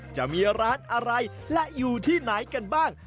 จะมีร้านอะไรและอยู่ที่ไหนกันบ้าง